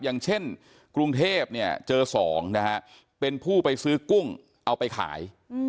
อย่างเช่นกรุงเทพเนี่ยเจอ๒นะฮะเป็นผู้ไปซื้อกุ้งเอาไปขาย